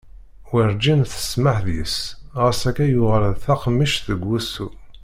Werǧin tsemmeḥ deg-s ɣas akka yuɣal d takemmict deg wussu.